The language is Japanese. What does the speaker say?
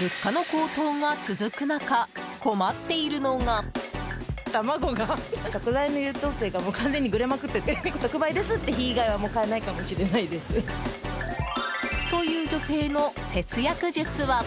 物価の高騰が続く中困っているのが。という女性の節約術は。